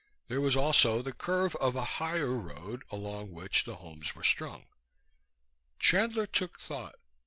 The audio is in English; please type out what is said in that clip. There was also the curve of a higher road along which the homes were strung. Chandler took thought.